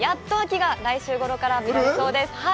やっと秋が来週ごろからきそうです。